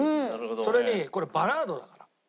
それにこれバラードだから。